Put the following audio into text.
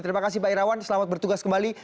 terima kasih pak irawan selamat bertugas kembali